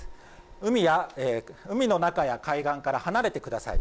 海や海の中や海岸から離れてください。